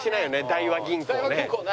大和銀行ね。